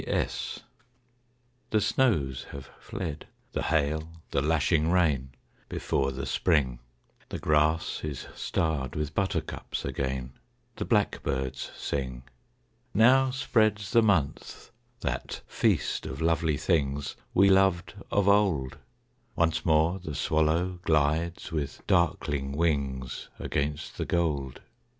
C. S._ The snows have fled, the hail, the lashing rain, Before the Spring. The grass is starred with buttercups again, The blackbirds sing. Now spreads the month that feast of lovely things We loved of old. Once more the swallow glides with darkling wings Against the gold.